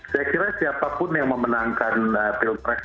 saya kira siapapun yang memenangkan pilpres